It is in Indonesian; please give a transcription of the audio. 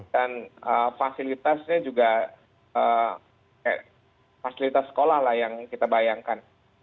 dan fasilitasnya juga kayak fasilitas sekolah lah yang kita bayangkan